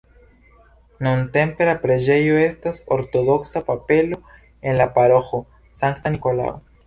Nuntempe la preĝejo estas ortodoksa kapelo en la paroĥo Sankta Nikolao.